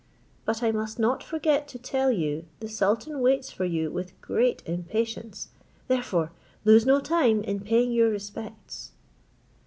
But I must not forget to tell you the sultan waits for you with great impatience, therefore lose no time in paying your respects."